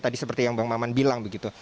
tadi seperti yang bang maman bilang begitu